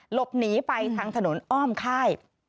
หลบหนีไปทางถนนอ้อมค่าย